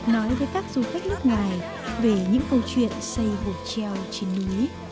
nói với các du khách nước ngoài về những câu chuyện xây hồt treo trên núi